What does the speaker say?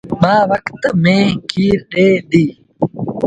ٻآ وکت ميݩهن کير ڏي دي۔